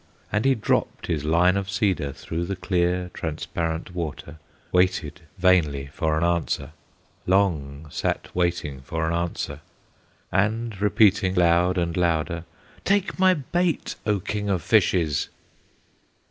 And he dropped his line of cedar Through the clear, transparent water, Waited vainly for an answer, Long sat waiting for an answer, And repeating loud and louder, "Take my bait, O King of Fishes!"